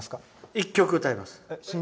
１曲歌います。